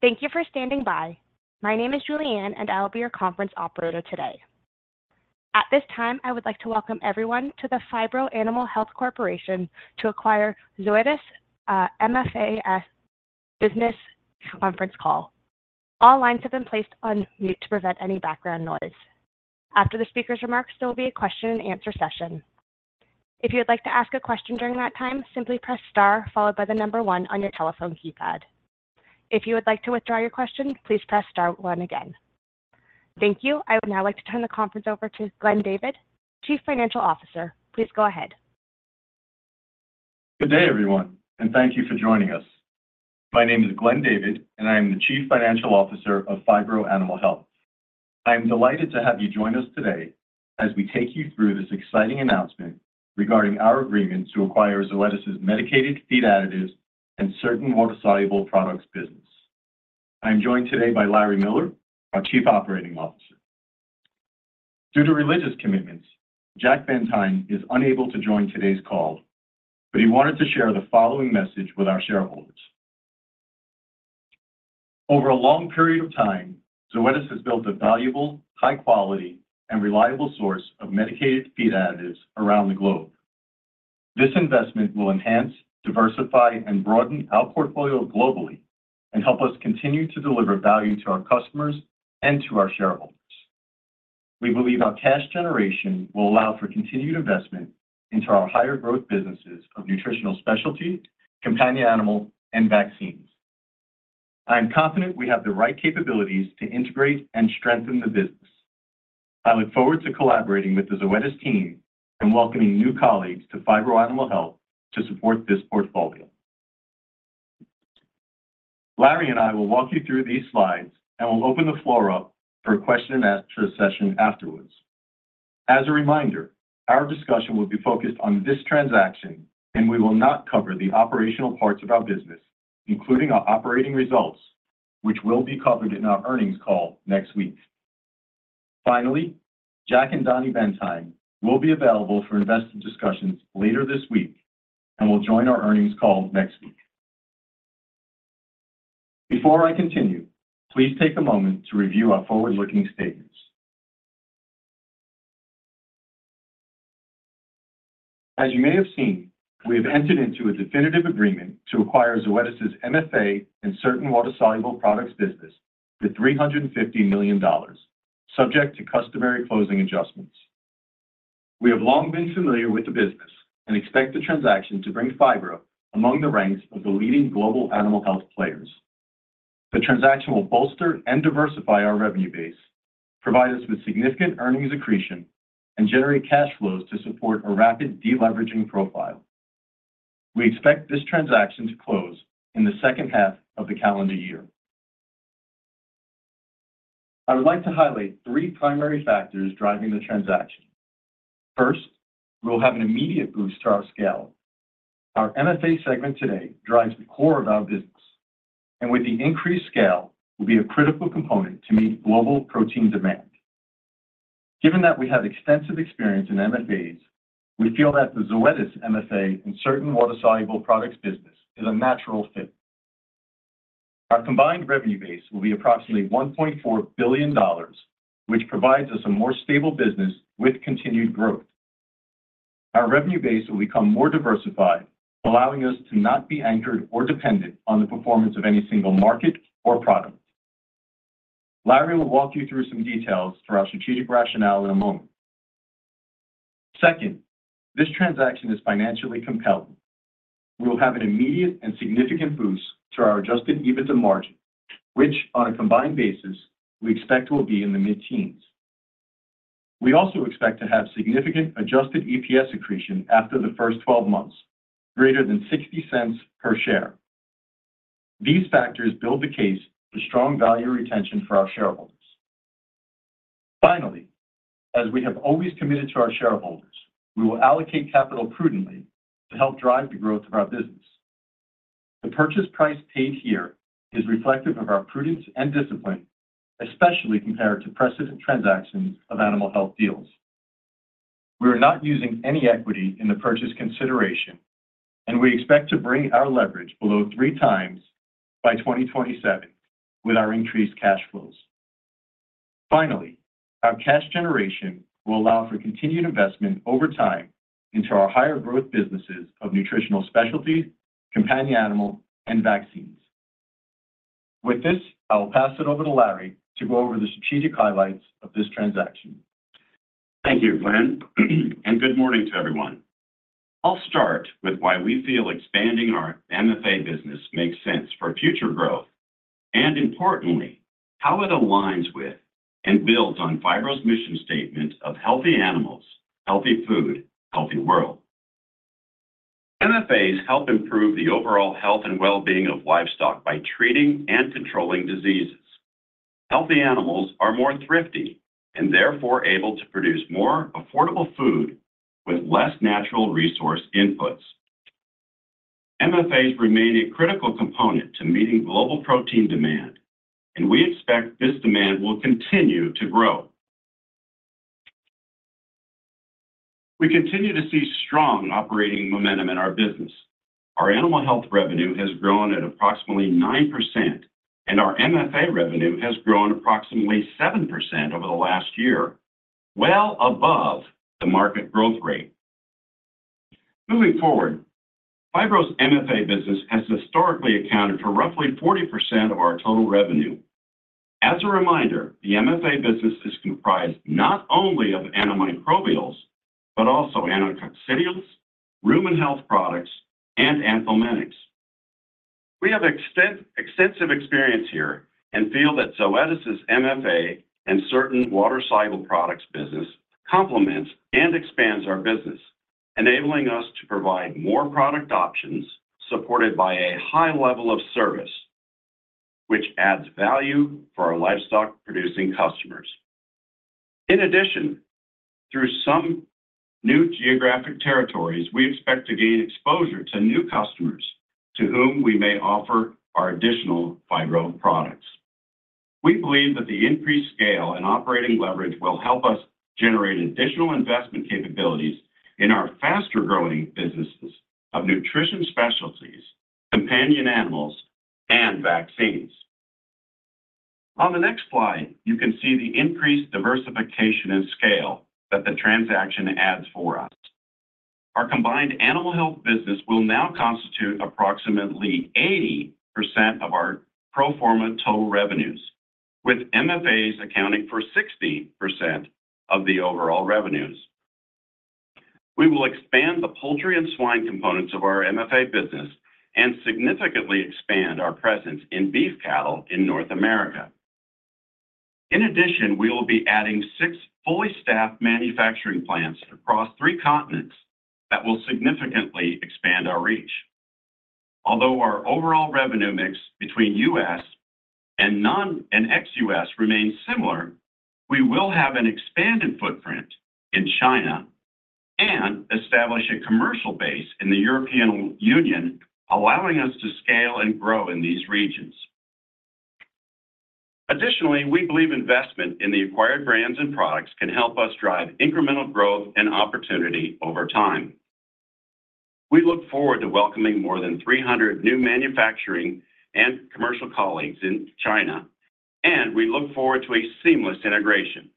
Thank you for standing by. My name is Julianne, and I'll be your conference operator today. At this time, I would like to welcome everyone to the Phibro Animal Health Corporation to acquire Zoetis, MFA Business conference call. All lines have been placed on mute to prevent any background noise. After the speaker's remarks, there will be a question and answer session. If you'd like to ask a question during that time, simply press star followed by the number one on your telephone keypad. If you would like to withdraw your question, please press star one again. Thank you. I would now like to turn the conference over to Glenn David, Chief Financial Officer. Please go ahead. Good day, everyone, and thank you for joining us. My name is Glenn David, and I am the Chief Financial Officer of Phibro Animal Health. I am delighted to have you join us today as we take you through this exciting announcement regarding our agreement to acquire Zoetis' Medicated Feed Additives and certain water-soluble products business. I'm joined today by Larry Miller, our Chief Operating Officer. Due to religious commitments, Jack Bendheim is unable to join today's call, but he wanted to share the following message with our shareholders: "Over a long period of time, Zoetis has built a valuable, high quality, and reliable source of medicated feed additives around the globe. This investment will enhance, diversify, and broaden our portfolio globally and help us continue to deliver value to our customers and to our shareholders. We believe our cash generation will allow for continued investment into our higher growth businesses of nutritional specialty, companion animal, and vaccines. I am confident we have the right capabilities to integrate and strengthen the business. I look forward to collaborating with the Zoetis team and welcoming new colleagues to Phibro Animal Health to support this portfolio. Larry and I will walk you through these slides, and we'll open the floor up for a question and answer session afterwards. As a reminder, our discussion will be focused on this transaction, and we will not cover the operational parts of our business, including our operating results, which will be covered in our earnings call next week. Finally, Jack and Donnie Bendheim will be available for investor discussions later this week and will join our earnings call next week. Before I continue, please take a moment to review our forward-looking statements. As you may have seen, we have entered into a definitive agreement to acquire Zoetis' MFA and certain water-soluble products business for $350 million, subject to customary closing adjustments. We have long been familiar with the business and expect the transaction to bring Phibro among the ranks of the leading global animal health players. The transaction will bolster and diversify our revenue base, provide us with significant earnings accretion, and generate cash flows to support a rapid deleveraging profile. We expect this transaction to close in the second half of the calendar year. I would like to highlight three primary factors driving the transaction. First, we'll have an immediate boost to our scale. Our MFA segment today drives the core of our business, and with the increased scale, will be a critical component to meet global protein demand. Given that we have extensive experience in MFAs, we feel that the Zoetis MFA in certain water-soluble products business is a natural fit. Our combined revenue base will be approximately $1.4 billion, which provides us a more stable business with continued growth. Our revenue base will become more diversified, allowing us to not be anchored or dependent on the performance of any single market or product. Larry will walk you through some details for our strategic rationale in a moment. Second, this transaction is financially compelling. We will have an immediate and significant boost to our Adjusted EBITDA margin, which on a combined basis, we expect will be in the mid-teens. We also expect to have significant Adjusted EPS accretion after the first 12 months, greater than $0.60 per share. These factors build the case for strong value retention for our shareholders. Finally, as we have always committed to our shareholders, we will allocate capital prudently to help drive the growth of our business. The purchase price paid here is reflective of our prudence and discipline, especially compared to precedent transactions of animal health deals. We are not using any equity in the purchase consideration, and we expect to bring our leverage below three times by 2027 with our increased cash flows. Finally, our cash generation will allow for continued investment over time into our higher growth businesses of nutritional specialties, companion animal, and vaccines. With this, I will pass it over to Larry to go over the strategic highlights of this transaction. Thank you, Glenn, and good morning to everyone. I'll start with why we feel expanding our MFA business makes sense for future growth, and importantly, how it aligns with and builds on Phibro's mission statement of healthy animals, healthy food, healthy world. MFAs help improve the overall health and well-being of livestock by treating and controlling diseases. Healthy animals are more thrifty and therefore able to produce more affordable food with less natural resource inputs. MFAs remain a critical component to meeting global protein demand, and we expect this demand will continue to grow.... We continue to see strong operating momentum in our business. Our animal health revenue has grown at approximately 9%, and our MFA revenue has grown approximately 7% over the last year, well above the market growth rate. Moving forward, Phibro's MFA business has historically accounted for roughly 40% of our total revenue. As a reminder, the MFA business is comprised not only of antimicrobials, but also anticoccidials, rumen health products, and anthelmintics. We have extensive experience here and feel that Zoetis' MFA and certain water-soluble products business complements and expands our business, enabling us to provide more product options, supported by a high level of service, which adds value for our livestock-producing customers. In addition, through some new geographic territories, we expect to gain exposure to new customers to whom we may offer our additional Phibro products. We believe that the increased scale and operating leverage will help us generate additional investment capabilities in our faster-growing businesses of nutrition specialties, companion animals, and vaccines. On the next slide, you can see the increased diversification and scale that the transaction adds for us. Our combined animal health business will now constitute approximately 80% of our pro forma total revenues, with MFAs accounting for 60% of the overall revenues. We will expand the poultry and swine components of our MFA business and significantly expand our presence in beef cattle in North America. In addition, we will be adding 6 fully staffed manufacturing plants across 3 continents that will significantly expand our reach. Although our overall revenue mix between U.S. and non- and ex-U.S. remains similar, we will have an expanded footprint in China and establish a commercial base in the European Union, allowing us to scale and grow in these regions. Additionally, we believe investment in the acquired brands and products can help us drive incremental growth and opportunity over time. We look forward to welcoming more than 300 new manufacturing and commercial colleagues in China, and we look forward to a seamless integration.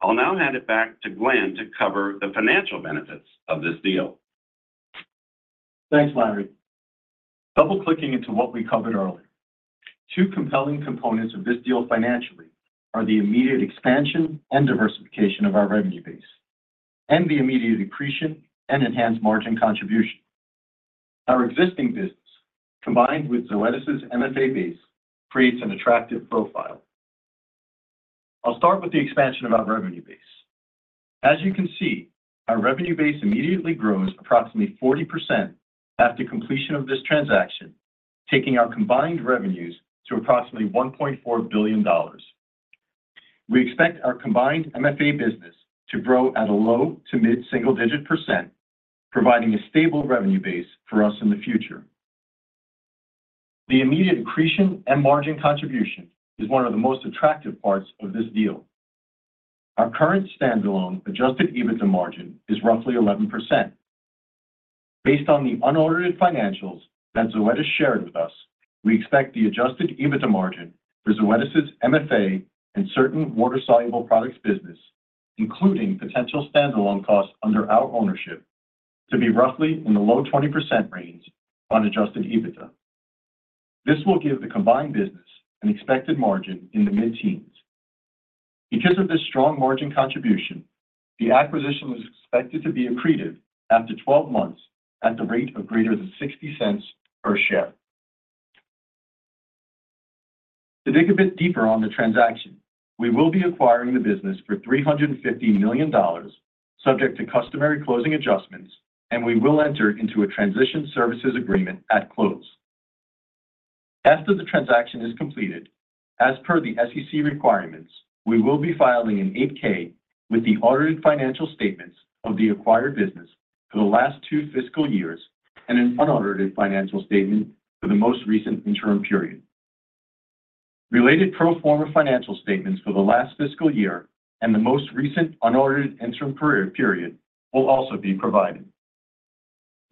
I'll now hand it back to Glenn to cover the financial benefits of this deal. Thanks, Larry. Double-clicking into what we covered earlier, two compelling components of this deal financially are the immediate expansion and diversification of our revenue base and the immediate accretion and enhanced margin contribution. Our existing business, combined with Zoetis' MFA base, creates an attractive profile. I'll start with the expansion of our revenue base. As you can see, our revenue base immediately grows approximately 40% after completion of this transaction, taking our combined revenues to approximately $1.4 billion. We expect our combined MFA business to grow at a low- to mid-single-digit %, providing a stable revenue base for us in the future. The immediate accretion and margin contribution is one of the most attractive parts of this deal. Our current standalone Adjusted EBITDA margin is roughly 11%. Based on the unaudited financials that Zoetis shared with us, we expect the Adjusted EBITDA margin for Zoetis' MFA and certain water-soluble products business, including potential standalone costs under our ownership, to be roughly in the low 20% range on Adjusted EBITDA. This will give the combined business an expected margin in the mid-teens. Because of this strong margin contribution, the acquisition is expected to be accretive after 12 months at the rate of greater than $0.60 per share. To dig a bit deeper on the transaction, we will be acquiring the business for $350 million, subject to customary closing adjustments, and we will enter into a transition services agreement at close. After the transaction is completed, as per the SEC requirements, we will be filing an 8-K with the audited financial statements of the acquired business for the last two fiscal years and an unaudited financial statement for the most recent interim period. Related pro forma financial statements for the last fiscal year and the most recent unaudited interim period will also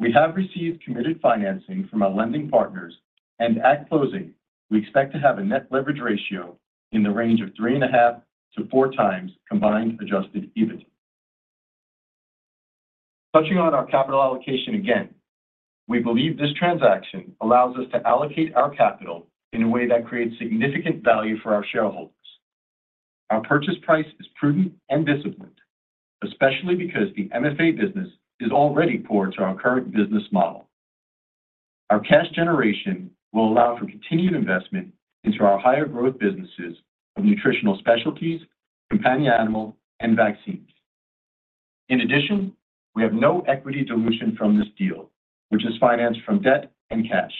be provided. We have received committed financing from our lending partners, and at closing, we expect to have a net leverage ratio in the range of 3.5-4x combined Adjusted EBITDA. Touching on our capital allocation again, we believe this transaction allows us to allocate our capital in a way that creates significant value for our shareholders. Our purchase price is prudent and disciplined, especially because the MFA business is already core to our current business model. Our cash generation will allow for continued investment into our higher-growth businesses of nutritional specialties, companion animal, and vaccines. In addition, we have no equity dilution from this deal, which is financed from debt and cash.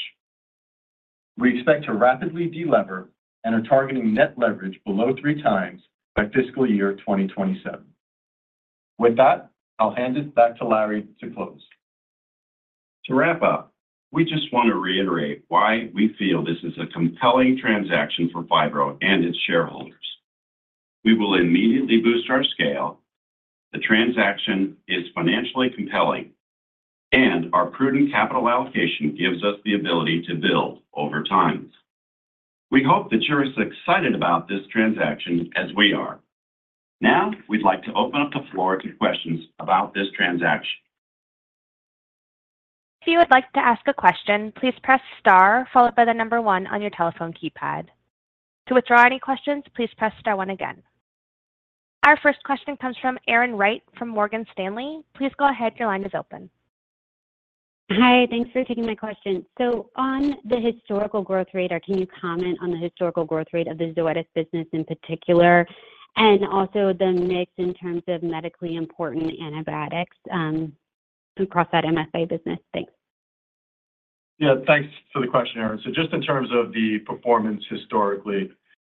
We expect to rapidly de-lever and are targeting net leverage below three times by fiscal year 2027. With that, I'll hand it back to Larry to close.... To wrap up, we just want to reiterate why we feel this is a compelling transaction for Phibro and its shareholders. We will immediately boost our scale, the transaction is financially compelling, and our prudent capital allocation gives us the ability to build over time. We hope that you're as excited about this transaction as we are. Now, we'd like to open up the floor to questions about this transaction. If you would like to ask a question, please press star followed by the number one on your telephone keypad. To withdraw any questions, please press star one again. Our first question comes from Erin Wright from Morgan Stanley. Please go ahead. Your line is open. Hi, thanks for taking my question. So on the historical growth rate, or can you comment on the historical growth rate of the Zoetis business in particular, and also the mix in terms of medically important antibiotics, across that MFA business? Thanks. Yeah, thanks for the question, Erin. So just in terms of the performance historically,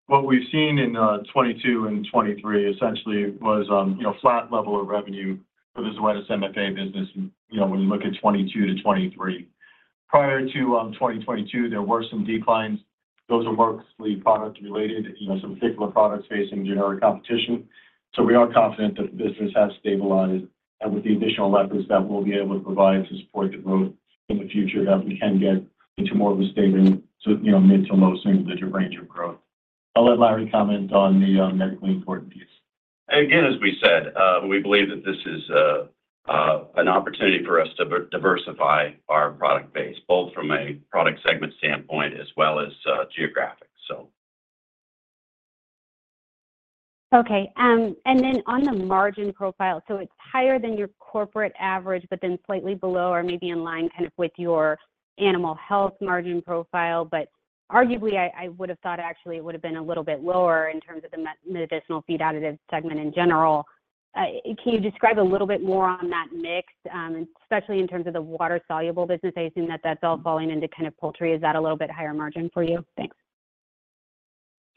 what we've seen in 2022 and 2023 essentially was, you know, flat level of revenue for the Zoetis MFA business, you know, when you look at 2022 to 2023. Prior to 2022, there were some declines. Those were mostly product related, you know, some particular products facing generic competition. So we are confident that the business has stabilized, and with the additional levers that we'll be able to provide to support the growth in the future, that we can get into more of a steady state, you know, mid to low single-digit range of growth. I'll let Larry comment on the medically important piece. Again, as we said, we believe that this is an opportunity for us to diversify our product base, both from a product segment standpoint as well as geographic, so. Okay. And then on the margin profile, so it's higher than your corporate average, but then slightly below or maybe in line kind of with your animal health margin profile. But arguably, I would have thought actually it would have been a little bit lower in terms of the medicated feed additive segment in general. Can you describe a little bit more on that mix, especially in terms of the water-soluble business? I assume that that's all falling into kind of poultry. Is that a little bit higher margin for you? Thanks.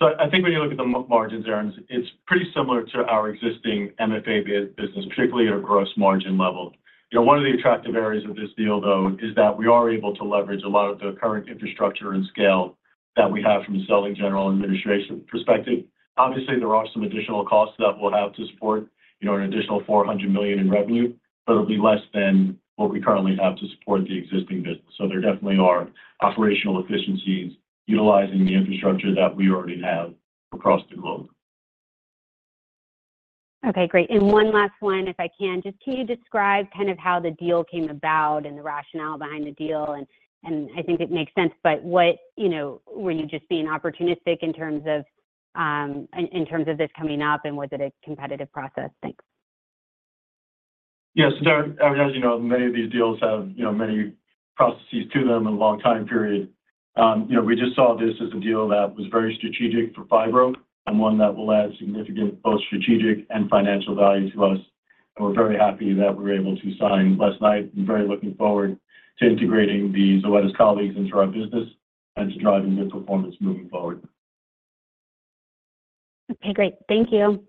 So I think when you look at the margins, Erin, it's pretty similar to our existing MFA business, particularly at a gross margin level. You know, one of the attractive areas of this deal, though, is that we are able to leverage a lot of the current infrastructure and scale that we have from a selling general administration perspective. Obviously, there are some additional costs that we'll have to support, you know, an additional $400 million in revenue, but it'll be less than what we currently have to support the existing business. So there definitely are operational efficiencies utilizing the infrastructure that we already have across the globe. Okay, great. And one last one, if I can. Just can you describe kind of how the deal came about and the rationale behind the deal? And, and I think it makes sense, but what... You know, were you just being opportunistic in terms of, in terms of this coming up, and was it a competitive process? Thanks. Yes, so, I mean, as you know, many of these deals have, you know, many processes to them and a long time period. You know, we just saw this as a deal that was very strategic for Phibro and one that will add significant, both strategic and financial value to us. We're very happy that we were able to sign last night and very looking forward to integrating the Zoetis colleagues into our business and to driving good performance moving forward. Okay, great. Thank you.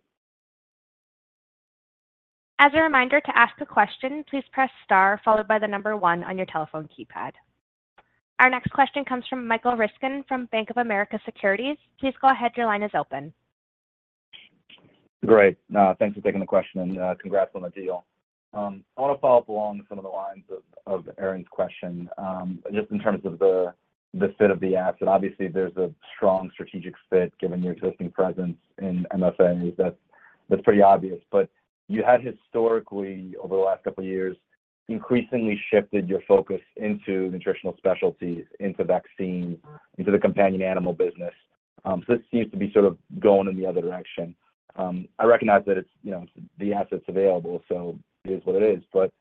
As a reminder, to ask a question, please press star, followed by the number one on your telephone keypad. Our next question comes from Michael Ryskin from Bank of America Securities. Please go ahead. Your line is open. Great. Thanks for taking the question, and congrats on the deal. I want to follow up along some of the lines of Erin's question, just in terms of the fit of the asset. Obviously, there's a strong strategic fit given your existing presence in MFA. That's pretty obvious. But you had historically, over the last couple of years, increasingly shifted your focus into nutritional specialties, into vaccines, into the companion animal business. So this seems to be sort of going in the other direction. I recognize that it's, you know, the assets available, so it is what it is. But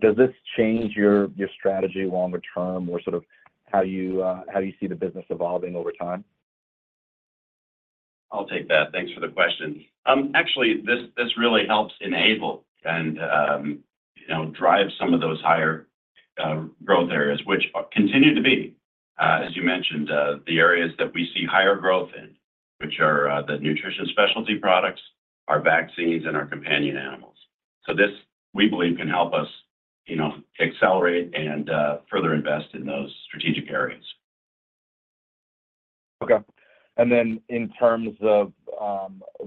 does this change your strategy longer term or sort of how you see the business evolving over time? I'll take that. Thanks for the question. Actually, this really helps enable and, you know, drive some of those higher growth areas, which continue to be, as you mentioned, the areas that we see higher growth in, which are the nutrition specialty products, our vaccines, and our companion animals. So this, we believe, can help us, you know, accelerate and further invest in those strategic areas. Okay. And then in terms of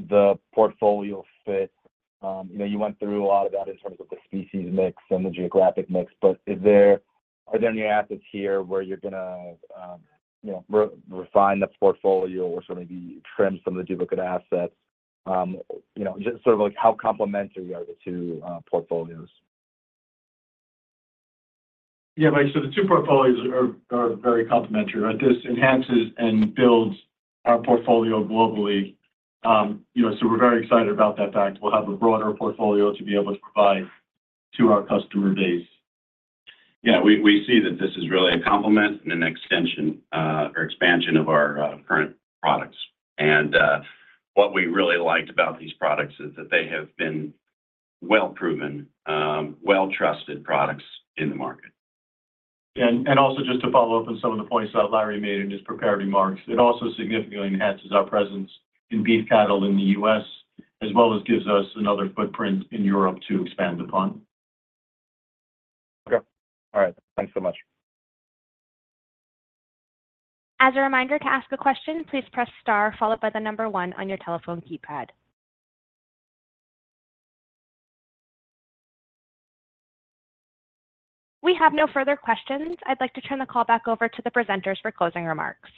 the portfolio fit, you know, you went through a lot of that in terms of the species mix and the geographic mix, but are there any assets here where you're gonna, you know, refine the portfolio or sort of trim some of the duplicate assets? You know, just sort of like how complementary are the two portfolios? Yeah, Mike, so the two portfolios are very complementary. This enhances and builds our portfolio globally. You know, so we're very excited about that fact. We'll have a broader portfolio to be able to provide to our customer base. Yeah, we see that this is really a complement and an extension or expansion of our current products. And what we really liked about these products is that they have been well-proven, well-trusted products in the market. And also just to follow up on some of the points that Larry made in his prepared remarks, it also significantly enhances our presence in beef cattle in the U.S., as well as gives us another footprint in Europe to expand upon. Okay. All right. Thanks so much. As a reminder, to ask a question, please press star followed by one on your telephone keypad. We have no further questions. I'd like to turn the call back over to the presenters for closing remarks.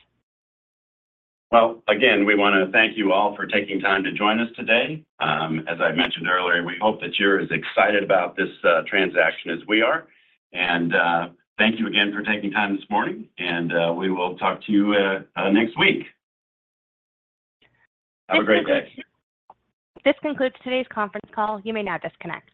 Well, again, we wanna thank you all for taking time to join us today. As I mentioned earlier, we hope that you're as excited about this transaction as we are. Thank you again for taking time this morning, and we will talk to you next week. Have a great day. This concludes today's conference call. You may now disconnect.